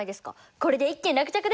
これで一件落着ですね。